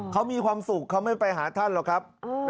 เขามีความสุขเขาไม่ไปหาท่านหรอกครับ